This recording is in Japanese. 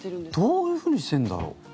どういうふうにしてるんだろう？